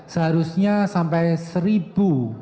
seharusnya sampai seribu